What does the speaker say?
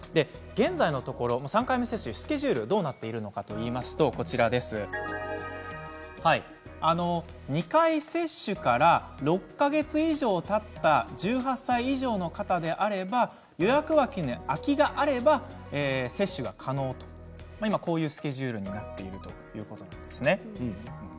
現在のところ３回目接種スケジュールどうなっているのかといいますと２回接種から６か月以上たった１８歳以上の方であれば予約枠に空きがあれば接種可能というスケジュールになっているということです。